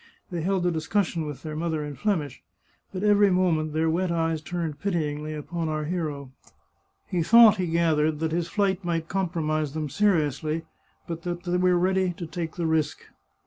They held a discussion with their mother in Flemish, but every moment their wet eyes turned pityingly upon our hero. He thought he gathered that his flight might compromise them seriously, but that they were ready to take the risk.